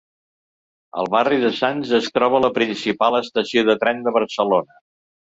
Al barri de Sants es troba la principal estació de tren de Barcelona.